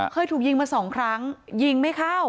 เคยถูกยิงมาสองครั้งยิงไม่เข้า